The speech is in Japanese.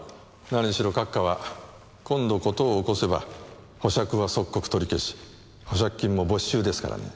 何しろ閣下は今度事を起こせば保釈は即刻取り消し保釈金も没収ですからね。